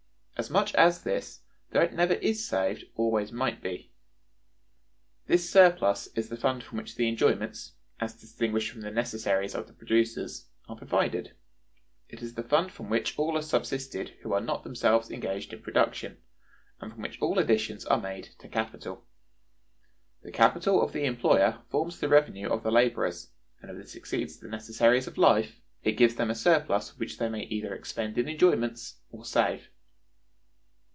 As much as this, though it never is saved, always might be. This surplus is the fund from which the enjoyments, as distinguished from the necessaries of the producers, are provided; it is the fund from which all are subsisted who are not themselves engaged in production, and from which all additions are made to capital. The capital of the employer forms the revenue of the laborers, and, if this exceeds the necessaries of life, it gives them a surplus which they may either expend in enjoyments or save.